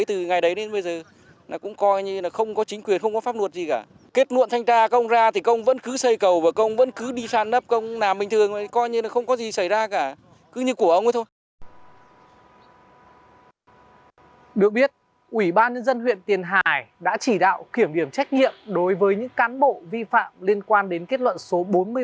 ủy ban nhân dân huyện tiền hải đã chỉ đạo kiểm điểm trách nhiệm đối với những cán bộ vi phạm liên quan đến kết luận số bốn mươi ba